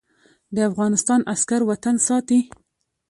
د افغانستان عسکر وطن ساتي